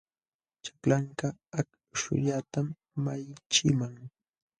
Chaklanka akśhullatam malliqchiman.